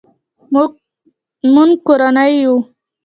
مونږ کورنۍ یو